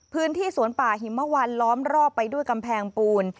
พื้นที่สวนป่าหิมวันล้อมรอบไปด้วยกำแพงปูน